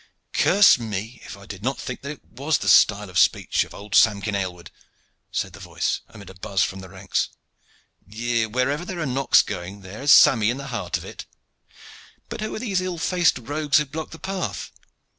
"Curse me if I did not think that it was the style of speech of old Samkin Aylward," said the voice, amid a buzz from the ranks. "Wherever there are knocks going there is Sammy in the heart of it. But who are these ill faced rogues who block the path?